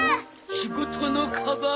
仕事のカバン。